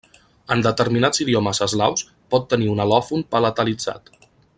En determinats idiomes eslaus pot tenir un al·lòfon palatalitzat.